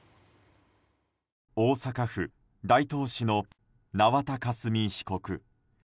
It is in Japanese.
大阪府大東市の縄田佳純被告。